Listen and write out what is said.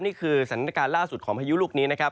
นี่คือสถานการณ์ล่าสุดของพายุลูกนี้นะครับ